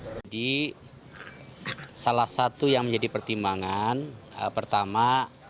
jadi salah satu yang menjadi pertimbangan pertama